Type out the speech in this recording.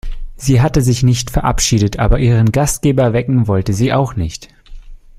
Sie hatte sich nicht verabschiedet, aber ihren Gastgeber wecken wollte sie auch nicht.